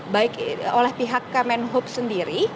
baik oleh pihak kemenhub sendiri